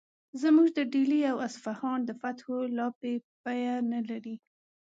زموږ د ډیلي او اصفهان د فتحو لاپې بیه نه لري.